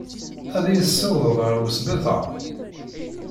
Ad iyi-tessiwḍed ɣer wesbiṭar?